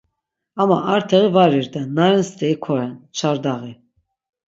Ama arteği var irden, na ren steri koren: çardaği.